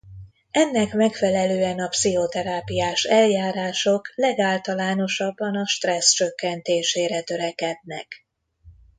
Ennek megfelelően a pszichoterápiás eljárások legáltalánosabban a stressz csökkentésére törekednek.